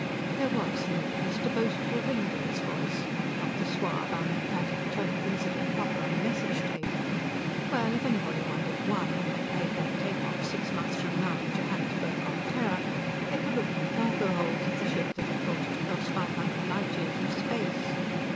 There was, he noticed, a boastful ring to his voice not the suave, unemphatic tone considered proper on a message tape. Well, if anybody wondered why, when they played that tape off six months from now in Johannesburg on Terra, they could look in the cargo holds of the ship that had brought it across five hundred light years of space.